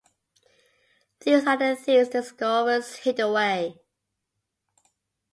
These are the things Dioscorus hid away.